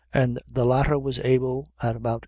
] and the latter was able at about 2.